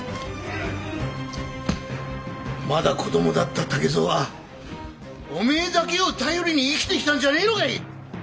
まだ子どもだった竹蔵はおめえだけを頼りに生きてきたんじゃねえのかい！